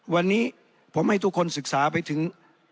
วันนี้ผมให้ทุกคนศึกษาไปถึง